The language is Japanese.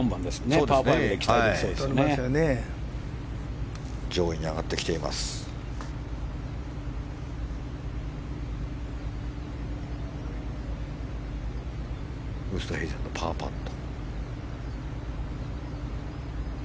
ウーストヘイゼンのパーパット。